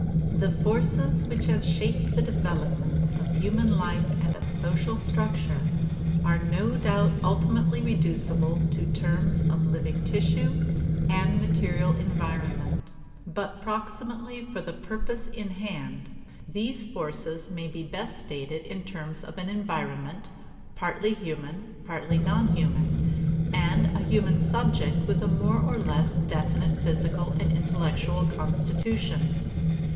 The forces which have shaped the development of human life and of social structure are no doubt ultimately reducible to terms of living tissue and material environment; but proximately for the purpose in hand, these forces may best be stated in terms of an environment, partly human, partly non human, and a human subject with a more or less definite physical and intellectual constitution.